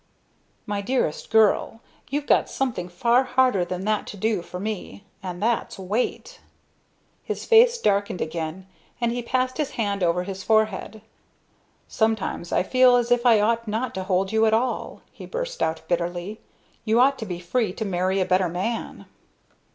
"My dearest girl, you've got something far harder than that to do for me, and that's wait." His face darkened again, and he passed his hand over his forehead. "Sometimes I feel as if I ought not to hold you at all!" he burst out, bitterly. "You ought to be free to marry a better man."